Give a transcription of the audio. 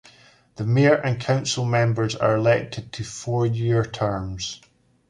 The mayor and council members are elected to four-year terms.